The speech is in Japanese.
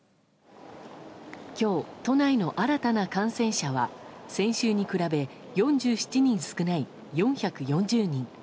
今日、都内の新たな感染者は先週に比べ４７人少ない４４０人。